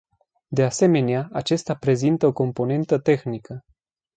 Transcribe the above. De asemenea, acesta prezintă o componentă tehnică.